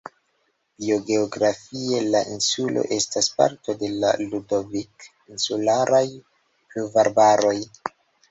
Biogeografie la insulo estas parto de la Ludovik-insularaj pluvarbaroj.